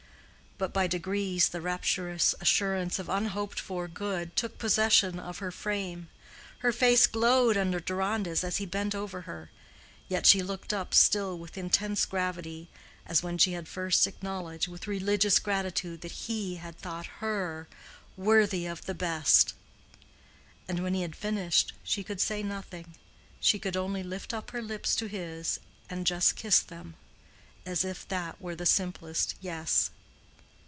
But by degrees the rapturous assurance of unhoped for good took possession of her frame: her face glowed under Deronda's as he bent over her; yet she looked up still with intense gravity, as when she had first acknowledged with religious gratitude that he had thought her "worthy of the best;" and when he had finished, she could say nothing—she could only lift up her lips to his and just kiss them, as if that were the simplest "yes."